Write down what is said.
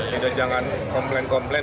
tidak jangan komplain komplain